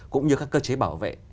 cũng như các cơ chế bảo vệ